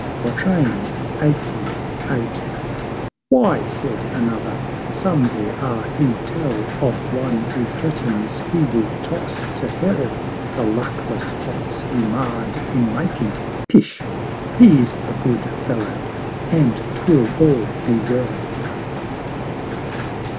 LXXXVIII. "Why," said another, "Some there are who tell Of one who threatens he will toss to Hell The luckless Pots he marr'd in making Pish! He's a Good Fellow, and 'twill all be well."